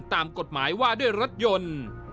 ตามกฎหมายว่าด้วยรถยนต์